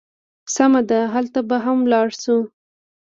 سمه ده، هلته به هم ولاړ شو.